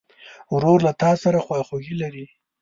ورور له تا سره خواخوږي لري.